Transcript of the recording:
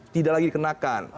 tidak lagi dikenakan